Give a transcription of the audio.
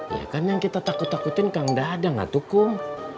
ya kan yang kita takut takutin kan nggak ada nggak dukung